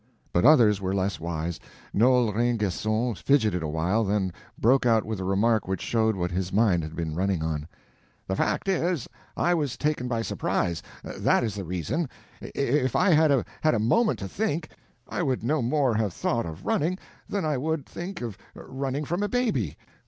But others were less wise. Noel Rainguesson fidgeted awhile, then broke out with a remark which showed what his mind had been running on: "The fact is, I was taken by surprise. That is the reason. If I had had a moment to think, I would no more have thought of running that I would think of running from a baby.